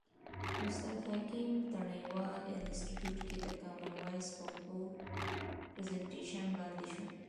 استاد حکیم تڼیوال انستیتیوت کې د کامن وایس پښتو پرزنټیشن وړاندې شو.